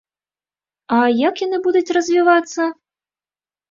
А як яны будуць развівацца?